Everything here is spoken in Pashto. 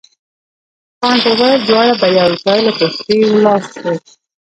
کانت وویل دواړه به یو ځای له کوټې ولاړ شو.